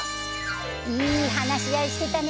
いい話し合いしてたね。